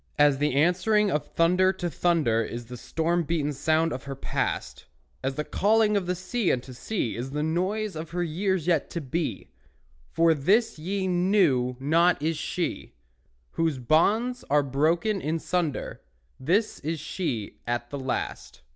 As the answering of thunder to thunder Is the storm beaten sound of her past; As the calling of sea unto sea Is the noise of her years yet to be; For this ye knew not is she, Whose bonds are broken in sunder; This is she at the last.